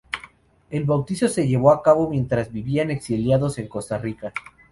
El "bautizo" se llevó a cabo mientras vivían exiliados en Costa Rica.